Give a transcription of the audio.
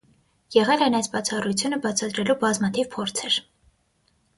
Եղել են այս բացառությունը բացատրելու բազմաթիվ փորձեր։